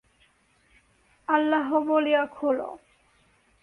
আল্লাহ বলিয়া খোল।।